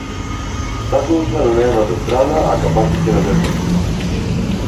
Стаклата на левата страна, а капаците на десната.